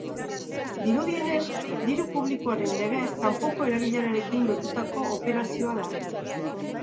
Dirudienez, diru-publikoaren legez kanpoko erabilerarekin lotutako operazioa da.